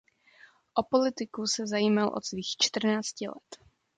O politiku se zajímal od svých čtrnácti let.